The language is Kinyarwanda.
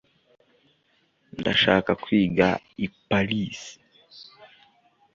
ndashaka kwiga i paris